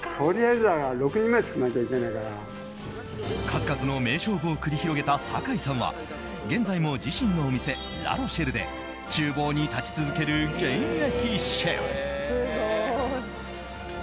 数々の名勝負を繰り広げた坂井さんは現在も自身のお店ラ・ロシェルで厨房に立ち続ける現役シェフ。